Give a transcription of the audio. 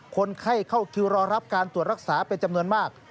คนไข้เข้าคิวรอรับการตรวจรักษาเป็นจำนวนมาก